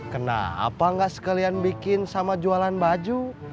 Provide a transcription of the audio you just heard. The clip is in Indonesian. kenapa nggak sekalian bikin sama jualan baju